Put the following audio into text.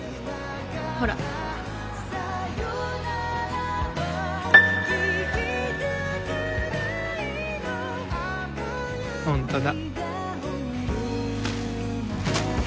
ほらホントだ